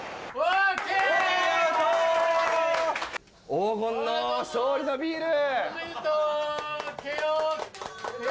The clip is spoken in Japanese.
黄金の勝利のビール！